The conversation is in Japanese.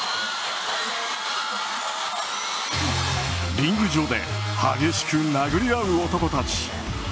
リング上で激しく殴り合う男たち。